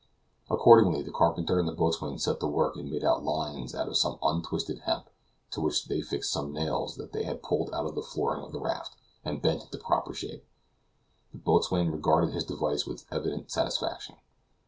Accordingly the carpenter and the boatswain set to work and made lines out of some untwisted hemp, to which they fixed some nails that they pulled out of the flooring of the raft, and bent into proper shape. The boatswain regarded his device with evident satisfaction.